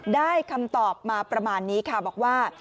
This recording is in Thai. ได้คำตอบมาประมาณนี้ค่ะบอกว่า